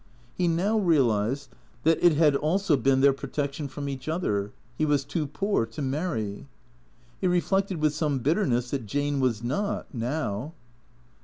He now realized that it had also been their protection from each other. He was too poor to marry. He reflected with some bitterness that Jane was not, now.